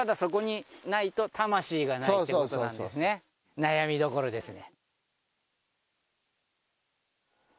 悩みどころですね。